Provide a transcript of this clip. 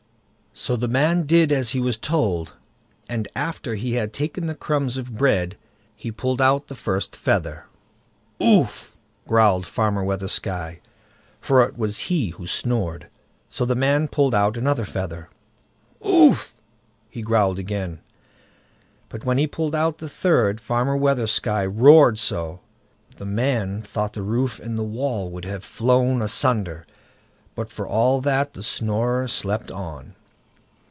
So the man did as he was told, and after he had taken the crumbs of bread, he pulled out the first feather. "OOF!" growled Farmer Weathersky, for it was he who snored. So the man pulled out another feather. "OOF!" he growled again. But when he pulled out the third, Farmer Weathersky roared so, the man thought roof and wall would have flown asunder, but for all that the snorer slept on.